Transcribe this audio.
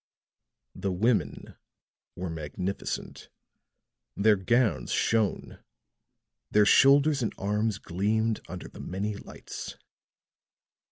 The women were magnificent; their gowns shone, their shoulders and arms gleamed under the many lights.